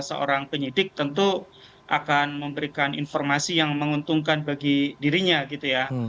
seorang penyidik tentu akan memberikan informasi yang menguntungkan bagi dirinya gitu ya